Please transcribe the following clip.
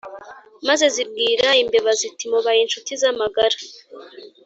maze zibwira imbeba ziti « mubaye inshuti z' amagara.